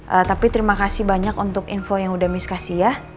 ehm tapi terima kasih banyak untuk info yang udah miss kasih ya